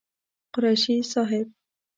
قريشي صاحب